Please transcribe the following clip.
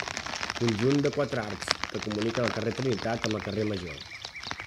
Conjunt de quatre arcs que comuniquen el carrer Trinitat amb el carrer Major.